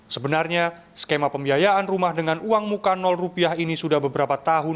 sebenarnya skema pembiayaan rumah dengan uang muka rupiah ini sudah beberapa tahun